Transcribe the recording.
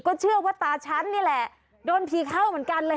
ก็เชื่อว่าตาฉันนี่แหละโดนผีเข้าเหมือนกันเลยค่ะ